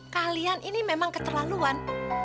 kalian ini memang keterlaluan